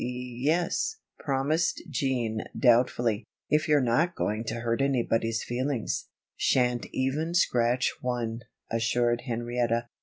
"Ye es," promised Jean, doubtfully, "if you're not going to hurt anybody's feelings." "Shan't even scratch one," assured Henrietta.